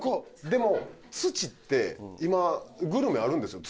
でも土って今グルメあるんですよ